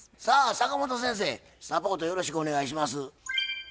さあ坂本先生サポートよろしくお願いします。